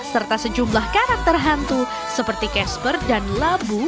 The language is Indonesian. serta sejumlah karakter hantu seperti casper dan labu